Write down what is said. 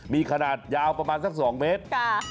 มีขนาดยาวประมาณสัก๒เมตร